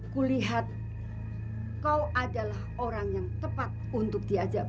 kulihat kau adalah orang yang tepat untuk diajak